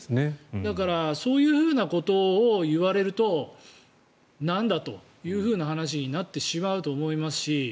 だからそういうことを言われるとなんだというふうな話になってしまうと思いますし。